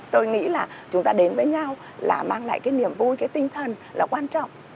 tôi nghĩ là chúng ta đến với nhau là mang lại cái niềm vui cái tinh thần là quan trọng